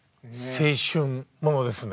青春ものですね。